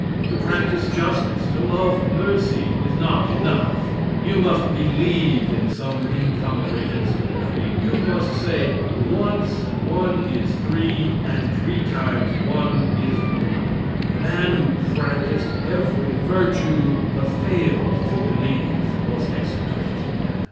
To practice justice, to love mercy, is not enough; you must believe in some incomprehensible creed. You must say: "Once one is three, and three times one is one." The man who practiced every virtue, but failed to believe, was execrated.